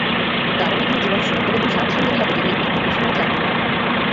কারণ এখানে জীবন সুন্দর এবং স্বাচ্ছন্দের হবে যদি একটি প্রফেশনাল চাকরি পান।